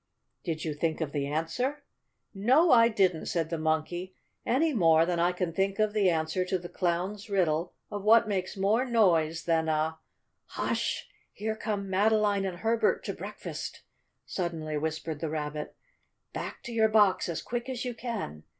"Did you think of the answer?" "No, I didn't," said the Monkey; "any more than I can think of the answer to the Clown's riddle of what makes more noise than a " "Hush! Here come Madeline and Herbert to breakfast!" suddenly whispered the Rabbit. "Back to your box as quick as you can.